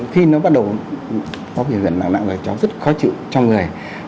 khi nó bắt đầu có biểu hiện mạng mạng rồi cháu rất khó chịu trong người